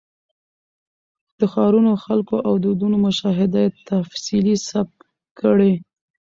د ښارونو، خلکو او دودونو مشاهده یې تفصیلي ثبت کړې.